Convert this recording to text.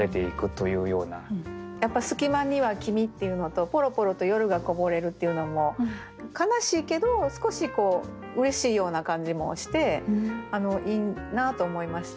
やっぱ「隙間には君」っていうのと「ぽろぽろと夜がこぼれる」っていうのも悲しいけど少しうれしいような感じもしていいなと思いました。